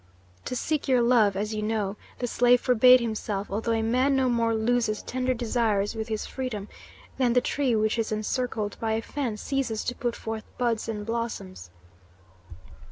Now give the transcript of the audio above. To seek your love, as you know, the slave forbade himself, although a man no more loses tender desires with his freedom than the tree which is encircled by a fence ceases to put forth buds and blossoms.